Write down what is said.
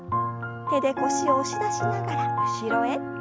手で腰を押し出しながら後ろへ。